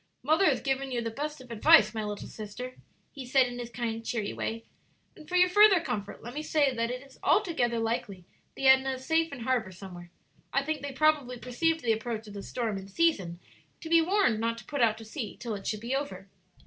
"Mother has given you the best of advice, my little sister," he said, in his kind, cheery way; "and for your further comfort let me say that it is altogether likely the Edna is safe in harbor somewhere. I think they probably perceived the approach of the storm in season to be warned not to put out to sea till it should be over."